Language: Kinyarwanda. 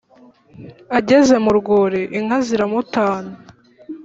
Ageze mu rwuri inka ziramutana